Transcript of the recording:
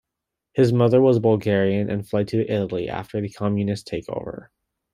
His mother was Bulgarian, and fled to Italy after the Communist takeover.